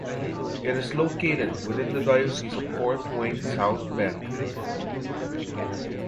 It is located within the Diocese of Fort Wayne-South Bend.